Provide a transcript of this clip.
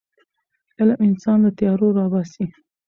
علم انسان له تیارو راباسي.